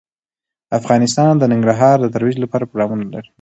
افغانستان د ننګرهار د ترویج لپاره پروګرامونه لري.